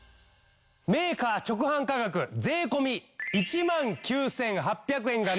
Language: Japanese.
メーカー直販価格税込１万９８００円がなんと。